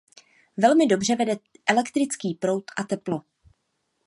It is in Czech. Velmi dobře vede elektrický proud a teplo.